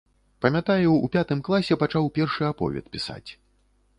Памятаю ў пятым класе пачаў першы аповед пісаць.